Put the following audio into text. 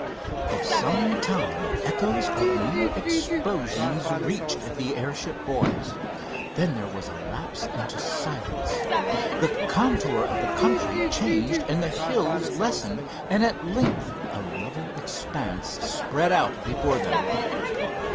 For some time echoes of near explosions reached the airship boys. Then there was a lapse into silence. The contour of the country changed and the hills lessened, and at length a level expanse spread out before them.